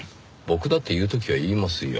僕だって言う時は言いますよ。